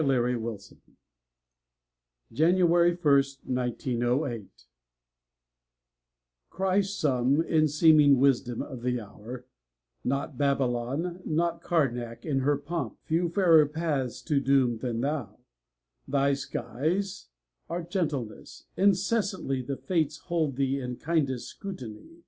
59 OF AMERICA JANUARY 1ST, 1908 Cry some, in seeming wisdom of the hour: "Not Babylon, nor Karnak in her pomp, Knew fairer paths to doom than thou. Thy skies Are gentleness. Incessantly the Fates Hold thee in kindest scrutiny.